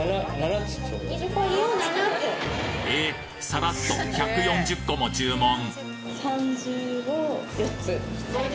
さらっと１４０個も注文！？